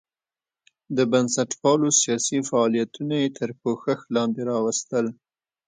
د بنسټپالو سیاسي فعالیتونه یې تر پوښښ لاندې راوستل.